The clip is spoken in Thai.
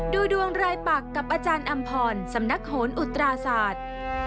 ดูดวงรายปักกับอาจารย์อำพรสำนักโหนอุตราศาสตร์